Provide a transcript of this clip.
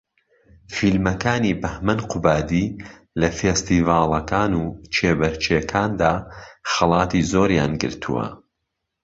فیلمەکانی بەھمەن قوبادی لە فێستیڤاڵەکان و کێبەرکێکاندا خەڵاتی زۆریان گرتووە